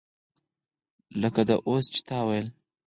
لکه دا اوس چې تا وویلې.